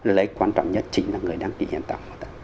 lợi ích quan trọng nhất chính là người đăng ký hiện tạng mô tả